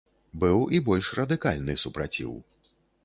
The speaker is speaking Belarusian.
Быў і больш радыкальны супраціў.